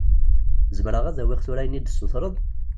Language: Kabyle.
Zemreɣ ad awiɣ tura ayen i d-tessutreḍ?